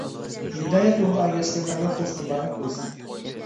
ھىدايەت يولىغا ئەگەشكەنلەرگە خۇش مۇبارەك بولسۇن!